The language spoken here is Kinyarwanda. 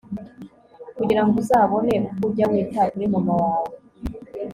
kugira ngo uzabone uko ujya wita kuri mama wawe